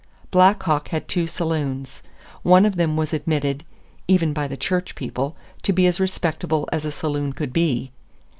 Black Hawk had two saloons. One of them was admitted, even by the church people, to be as respectable as a saloon could be.